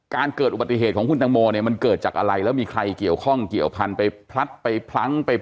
การเกิดอุบัติเขตของคุณทางมวและมันเกิดจากอะไรแล้วมีใครเกี่ยวข้อง